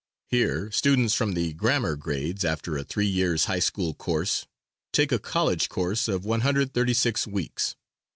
Here students from the grammar grades, after a three years' high school course, take a college course of 136 weeks.